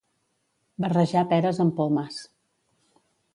Barrejar peres amb pomes.